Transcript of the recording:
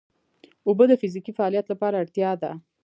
اوبه د فزیکي فعالیت لپاره اړتیا ده